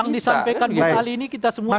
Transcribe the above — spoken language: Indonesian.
yang disampaikan bu ali ini kita semua